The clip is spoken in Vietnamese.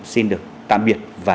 xin được tạm biệt và hẹn gặp lại